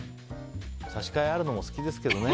差し替えあるのも好きですけどね。